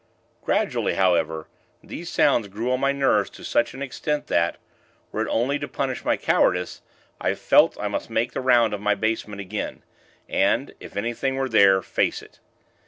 Gradually, however, these sounds grew on my nerves to such an extent that, were it only to punish my cowardice, I felt I must make the 'round of the basement again, and, if anything were there, face it.